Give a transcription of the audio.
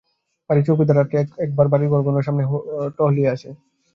বাড়ির চৌকিদার রাত্রে এক-একবার বাড়ির ঘরগুলোর সামনে দিয়ে টহলিয়ে আসে।